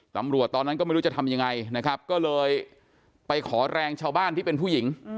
ตอนนั้นก็ไม่รู้จะทำยังไงนะครับก็เลยไปขอแรงชาวบ้านที่เป็นผู้หญิง